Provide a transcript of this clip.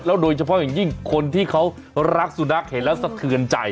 โดยเฉพาะอย่างยิ่งคนที่เขารักสุนัขเห็นแล้วสะเทือนใจ